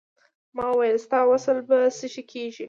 ما وویل ستا وصل په څه شی کېږي.